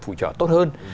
phụ trợ tốt hơn